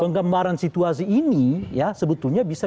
penggambaran situasi ini ya sebetulnya bisa